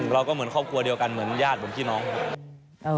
เราก็เหมือนครอบครัวเดียวกันเหมือนญาติเหมือนพี่น้องครับ